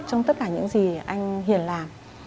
trong tất cả những gì anh hiền làm